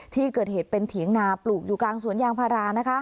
ที่เกิดเหตุเป็นเถียงนาปลูกอยู่กลางสวนยางพารา